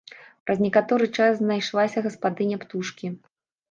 Праз некаторы час знайшлася гаспадыня птушкі.